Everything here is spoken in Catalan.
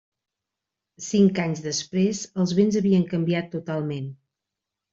Cinc anys després, els vents havien canviat totalment.